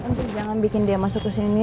untuk jangan bikin dia masuk kesini